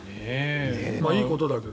いいことだけど。